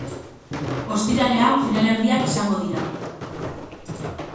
Ostiralean finalerdiak izango dira.